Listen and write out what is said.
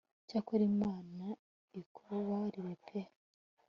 cyakora imana ikubabarire pe